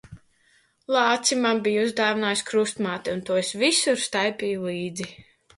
Lāci man bija uzdāvinājusi krustmāte, un to es visur staipīju līdzi.